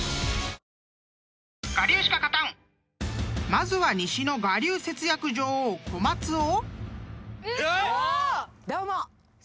［まずは西の我流節約女王小松を］